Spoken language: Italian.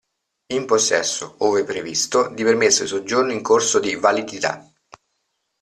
In possesso, ove previsto, di permesso di soggiorno in corso di validità.